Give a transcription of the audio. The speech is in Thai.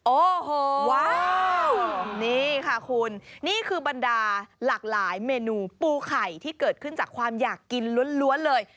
โอ้โหว้าวนี่ค่ะคุณนี่คือบรรดาหลากหลายเมนูปูไข่ที่เกิดขึ้นจากความอยากกินล้วนเลย